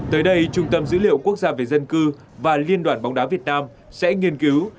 tới đây trung tâm dữ liệu quốc gia về dân cư và liên đoàn bóng đá việt nam sẽ nghiên cứu